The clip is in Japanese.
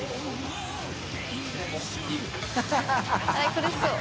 苦しそう。